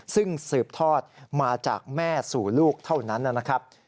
ซึ่งสืบทอดมาจากแม่สู่ลูกเท่านั้นนะครับ